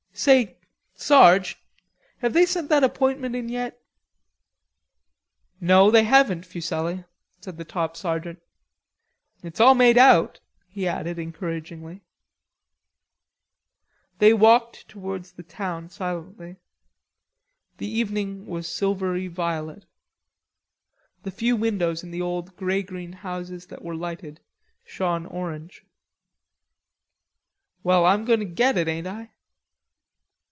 "Say, Sarge, have they sent that appointment in yet?" "No, they haven't, Fuselli," said the top sergeant. "It's all made out," he added encouragingly. They walked towards the town silently. The evening was silvery violet. The few windows in the old grey green houses that were lighted shone orange. "Well, I'm goin' to get it, ain't I?"